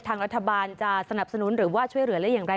ทางรัฐบาลจะสนับสนุนหรือว่าช่วยเหลือได้อย่างไร